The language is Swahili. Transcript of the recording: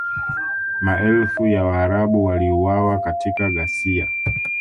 Maelfu ya Waarabu waliuawa katika ghasia